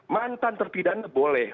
mantan terpidana boleh